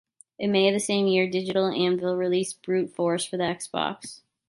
In May of the same year, Digital Anvil released "Brute Force" for the Xbox.